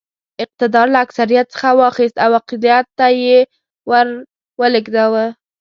اقتدار له اکثریت څخه واخیست او اقلیت ته یې ور ولېږداوه.